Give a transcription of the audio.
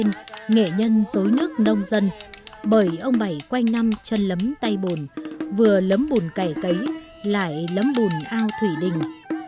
nghệ nhân dối nước nông dân bởi ông bảy quanh năm chân lấm tay bồn vừa lấm bồn cải cấy lại lấm bồn ao thủy đình